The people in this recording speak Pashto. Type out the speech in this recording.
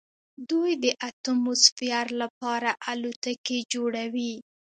دوی د اتموسفیر لپاره الوتکې جوړوي.